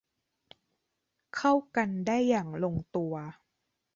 เข้ากันได้อย่างลงตัว